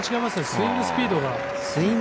スイングスピードが。